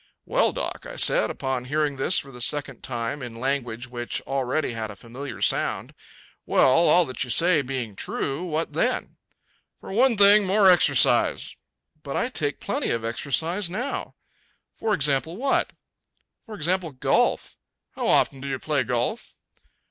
"Well, doc," I said upon hearing this for the second time in language which already had a familiar sound "well, all that you say being true, what then?" "For one thing, more exercise." "But I take plenty of exercise now." "For example, what?" "For example, golf." "How often do you play golf?"